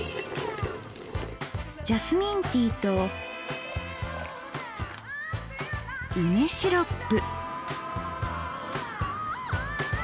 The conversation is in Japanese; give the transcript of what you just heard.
ジャスミンティーと梅シロップ。